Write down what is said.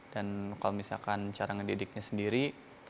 dan kalau misalkan cara ngedidiknya sendiri